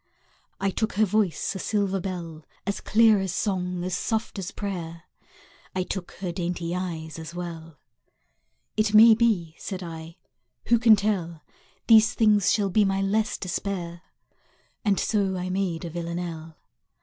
I took her voice, a silver bell, As clear as song, as soft as prayer; I took her dainty eyes as well. It may be, said I, who can tell, These things shall be my less despair? And so I made a Villanelle!